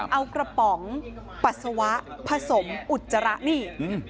เอากระป๋องปัสสาวะผสมอุจจาระนี่